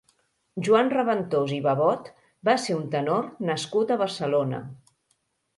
Joan Raventós i Babot va ser un tenor nascut a Barcelona.